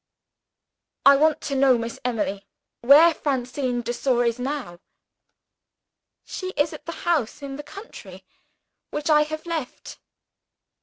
"I want to know, Miss Emily, where Francine de Sor is now?" "She is at the house in the country, which I have left."